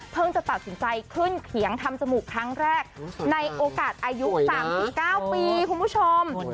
จะตัดสินใจขึ้นเขียงทำจมูกครั้งแรกในโอกาสอายุ๓๙ปีคุณผู้ชม